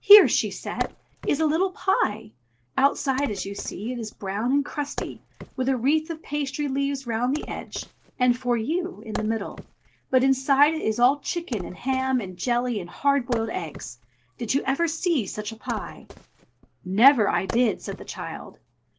"Here," she said, "is a little pie! Outside, as you see, it is brown and crusty, with a wreath of pastry leaves round the edge and 'For You' in the middle; but inside it is all chicken and ham and jelly and hard boiled eggs. Did ever you see such a pie?" "Never I did!" said the child.